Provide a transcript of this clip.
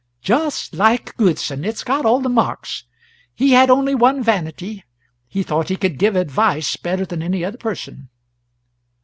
'" "Just like Goodson; it's got all the marks. He had only one vanity; he thought he could give advice better than any other person."